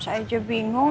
saya aja bingung